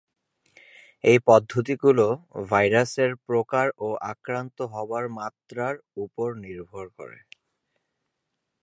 এই পদ্ধতিগুলো ভাইরাসের প্রকার ও আক্রান্ত হবার মাত্রার উপর নির্ভর করে।